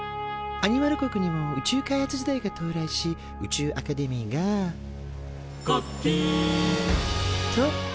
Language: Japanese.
アニマル国にも宇宙開発時代が到来し宇宙アカデミーが「がっびん！」と誕生。